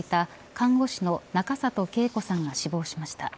看護師の中里圭子さんが死亡しました。